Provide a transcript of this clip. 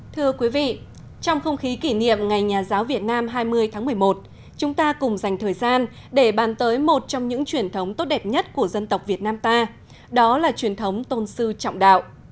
thưa quý vị trong không khí kỷ niệm ngày nhà giáo việt nam hai mươi tháng một mươi một chúng ta cùng dành thời gian để bàn tới một trong những truyền thống tốt đẹp nhất của dân tộc việt nam ta đó là truyền thống tôn sư trọng đạo